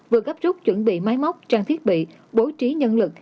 vừa gấp rút chuẩn bị máy móc trang thiết bị bố trí nhân lực